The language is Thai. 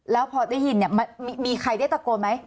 แล้วพอได้ยินเนี่ยมันมีใครได้ตะโกนไหม